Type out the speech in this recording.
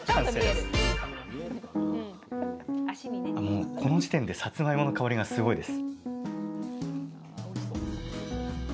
もうこの時点でさつまいもの香りがすごいです。